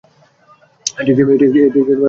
এটি একটি রাসায়নিক বিকারক।